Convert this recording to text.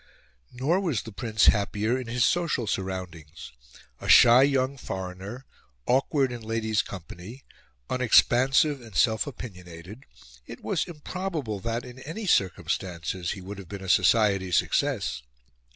Nor was the Prince happier in his social surroundings. A shy young foreigner, awkward in ladies' company, unexpansive and self opinionated, it was improbable that, in any circumstances, he would have been a society success.